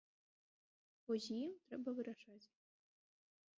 Вось з ім трэба вырашаць.